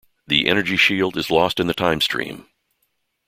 The energy shield is lost in the time-stream.